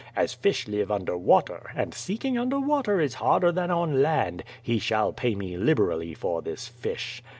As fish live under water, and seeking under water is harder than on land, he shall pay me liberally for this fish.